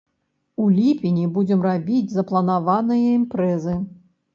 У ліпені будзем рабіць запланаваныя імпрэзы.